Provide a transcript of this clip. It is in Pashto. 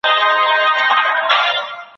ستاسو په خبرو کي به منطق وي.